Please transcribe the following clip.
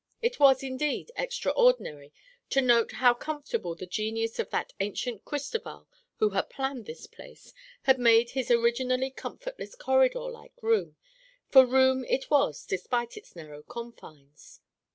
It was, indeed, extraordinary to note how comfortable the genius of that ancient Cristoval who had planned the place, had made this originally comfortless corridor like room, for room it was despite its narrow confines.